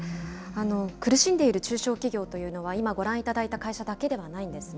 苦しんでいる中小企業というのは、今、ご覧いただいた会社だけではないんですね。